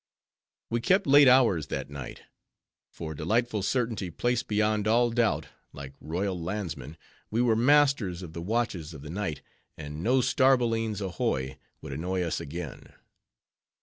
We kept late hours that night; for, delightful certainty! placed beyond all doubt—like royal landsmen, we were masters of the watches of the night, and no starb o leens ahoy! would annoy us again.